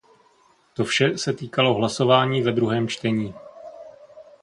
To vše se týkalo hlasování ve druhém čtení.